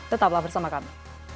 tetaplah bersama kami